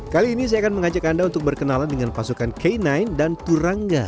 kali ini saya akan mengajak anda untuk berkenalan dengan pasukan k sembilan dan turanga